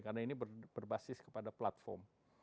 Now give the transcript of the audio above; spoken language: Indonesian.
karena ini berbasis kepada platform